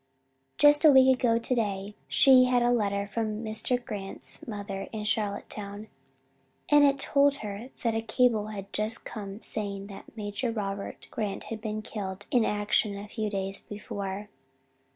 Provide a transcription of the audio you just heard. "Just a week ago today she had a letter from Mr. Grant's mother in Charlottetown. And it told her that a cable had just come saying that Major Robert Grant had been killed in action a few days before.